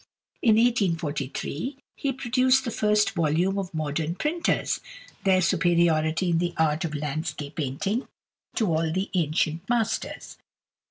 In 1843 he produced the first volume of "Modern Painters: their Superiority in the Art of Landscape Painting to all the Ancient Masters.